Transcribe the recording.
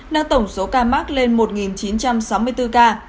nâng tổng số ca mắc lên một chín trăm sáu mươi bốn ca